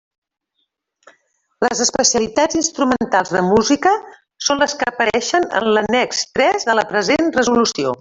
Les especialitats instrumentals de Música són les que apareixen en l'annex tres de la present resolució.